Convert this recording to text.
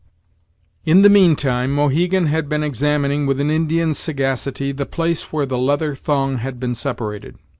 In the mean time, Mohegan had been examining, with an Indian's sagacity, the place where the leather thong had been separated.